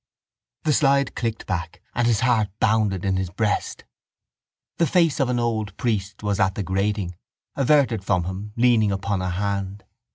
The slide clicked back and his heart bounded in his breast. The face of an old priest was at the grating, averted from him, leaning upon a hand.